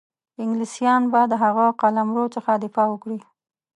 انګلیسیان به د هغه قلمرو څخه دفاع وکړي.